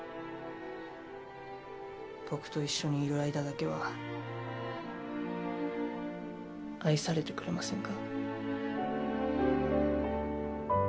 僕と一緒にいる間だけは愛されてくれませんか。